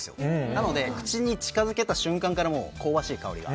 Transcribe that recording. なので、口に近づけた瞬間から香ばしい香りが。